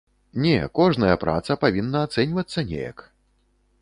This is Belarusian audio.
Не, кожная праца павінна ацэньвацца неяк.